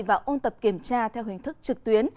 và ôn tập kiểm tra theo hình thức trực tuyến